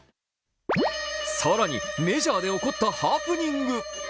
更にメジャーで起こったハプニング。